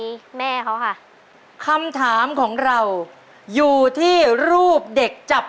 ขอเชิญแสงเดือนมาต่อชีวิตเป็นคนต่อชีวิตเป็นคนต่อชีวิต